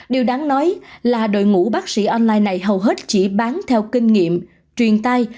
điều đáng nói là đội ngũ bác sĩ online này hầu hết chỉ bán theo kinh nghiệm truyền tay